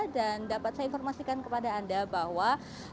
dan dapat saya informasikan kepada anda bahwa